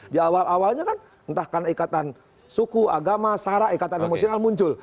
di awal awalnya kan entah kan ekatan suku agama sara ekatan emosional muncul